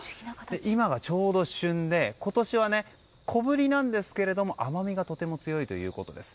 今がちょうど旬で今年は、小ぶりなんですけれども甘みがとても強いということです。